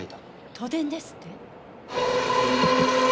都電ですって？